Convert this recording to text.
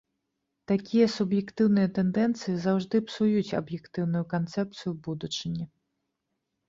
Такія суб'ектыўныя тэндэнцыі заўжды псуюць аб'ектыўную канцэпцыю будучыні.